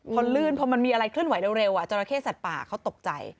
พอลื่นแล้วพอมันมีอะไรคลื่นไหวเร็วจราเข้สัดปากเขาตกใจ